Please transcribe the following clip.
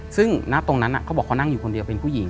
ซึ่งณตรงนั้นเขาบอกเขานั่งอยู่คนเดียวเป็นผู้หญิง